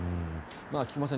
菊間さん